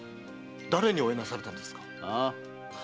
誰にお会いなされたのですか？